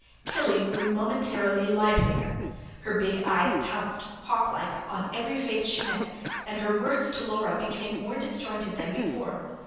Tilly grew momentarily livelier; her big eyes pounced, hawk like, on every face she met, and her words to Laura became more disjointed than before.